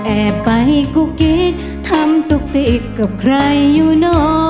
แอบไปกุกิจทำตุ๊กติกกับใครอยู่หน่อ